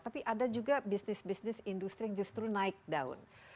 tapi ada juga bisnis bisnis industri yang justru naik daun